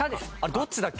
どっちだっけ？